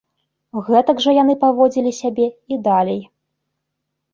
Гэтак жа яны паводзілі сябе і далей.